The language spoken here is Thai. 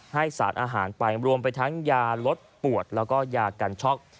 ให้สารอาหารไปรวมไปทั้งยาลดปวดแล้วก็ยากันช็อก